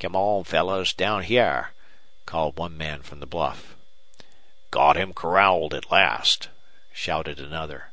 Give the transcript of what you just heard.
"Come on fellers down hyar," called one man from the bluff. "Got him corralled at last," shouted another.